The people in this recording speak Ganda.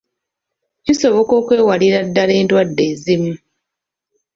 Kisoboka okwewalira ddaala endwadde ezimu.